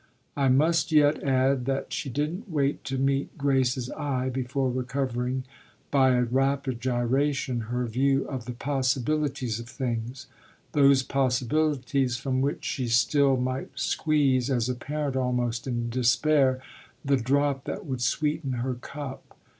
I must yet add that she didn't wait to meet Grace's eye before recovering, by a rapid gyration, her view of the possibilities of things those possibilities from which she still might squeeze, as a parent almost in despair, the drop that would sweeten her cup.